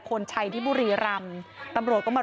กังฟูเปล่าใหญ่มา